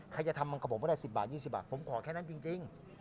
ใครจะทำเป็น๑๐บาทผมขอแค่นั้นจริง